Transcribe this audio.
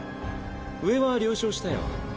上は了承したよ。